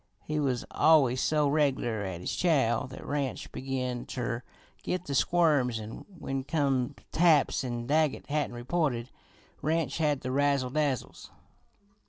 He was always so reg'lar at his chow that Ranch he begin ter git the squirms an' when come taps an' Daggett hadn't reported, Ranch had the razzle dazzles.